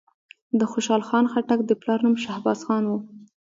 د خوشحال خان خټک د پلار نوم شهباز خان وو.